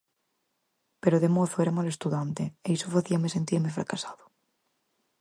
Pero de mozo era mal estudante e iso facíame sentirme fracasado.